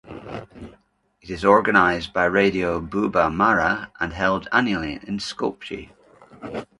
It is organized by Radio Buba Mara and held annually in Skopje.